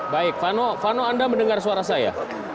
baik vano anda mendengar suara saya